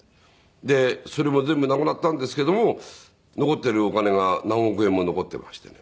でそれも全部なくなったんですけども残っているお金が何億円も残っていましてね。